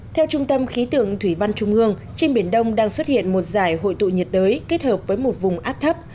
theo trung tâm khí tượng thủy văn trung ương trên biển đông đang xuất hiện một giải hội tụ nhiệt đới kết hợp với một vùng áp thấp